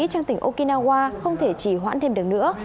trong tỉnh okinawa không thể chỉ hoãn thêm được nữa